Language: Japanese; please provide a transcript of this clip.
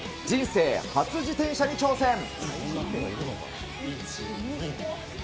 人生初自転車に挑戦。